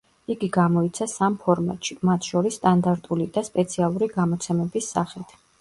იგი გამოიცა სამ ფორმატში, მათ შორის სტანდარტული და სპეციალური გამოცემების სახით.